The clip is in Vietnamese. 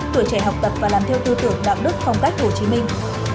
tuổi trẻ học tập và làm theo tư tưởng đạo đức phong cách hồ chí minh